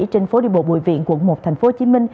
trên phố đi bộ bùi viện quận một tp hcm